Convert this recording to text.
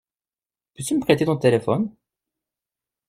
Peux-tu me prêter ton téléphone?